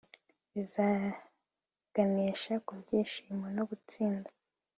bizaganisha ku byishimo no gutsinda